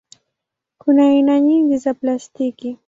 Kuna aina nyingi za plastiki.